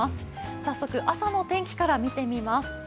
早速、朝の天気から見てみます。